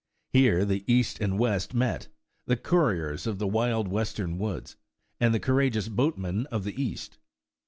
Here the east and west met — the couriers of the wild western woods, and the courageous boatmen of the east.